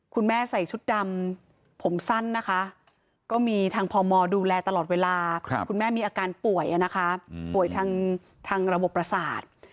คุณแม่ใส่ชุดดำผมสั้นนะคะก็มีทางพมดูแลตลอดเวลาคุณแม่มีอาการป่วยนะคะป่วยทางระบบประสาท